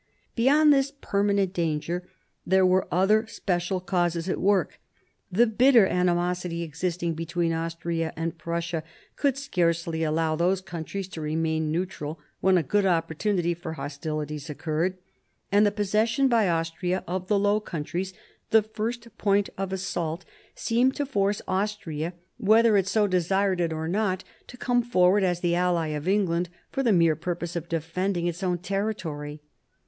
Beyond this permanent danger there were other special causes at work. The bitter animosity existing between Austria and Prussia could scarcely allow those countries to remain neutral when a good opportunity for hostilities occurred, and the possession by Austria of the Low Countries, the first point of assault, seemed to force 1748 55 CHANGE OF ALLIANCES 113 Austria, whether it so desired it or not, to come forward as the ally of England for the mere purpose of defending its own territory.